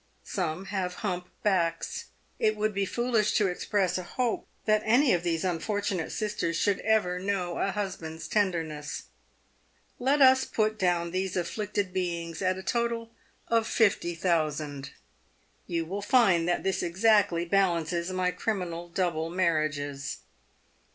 Some have hump backs. It would be foolish to express a hope that any of these unfortunate sisters should ever know a husband's tenderness. Let us put down these afflicted beings at a total of fifty thousand. Tou will find that this exactly balances my criminal double marriages.